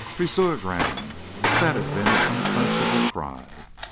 Resurgam! That had been his unquenchable cry.